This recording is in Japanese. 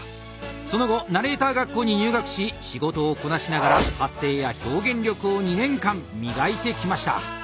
その後ナレーター学校に入学し仕事をこなしながら発声や表現力を２年間磨いてきました。